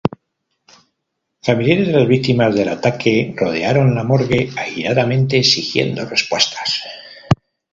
Familiares de las víctimas del ataque rodearon la morgue airadamente exigiendo respuestas.